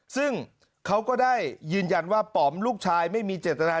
ซึ่งเขาก็ได้ยืนยันว่าป๋อมลูกชายไม่มีเจตนา